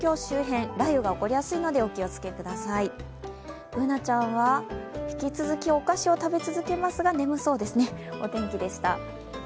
Ｂｏｏｎａちゃんは引き続きお菓子を食べ続けますが、眠そうですね。